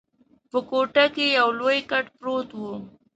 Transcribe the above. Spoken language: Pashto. په کوټه کي یو لوی کټ پروت وو.